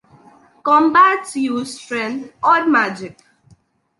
Combats use strength or magic.